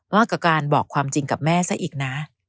กับการบอกความจริงกับแม่ซะอีกนะ